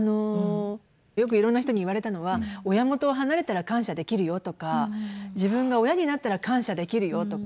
よくいろんな人に言われたのは親元を離れたら感謝できるよとか自分が親になったら感謝できるよとか。